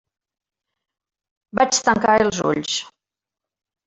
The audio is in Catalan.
Vaig tancar els ulls.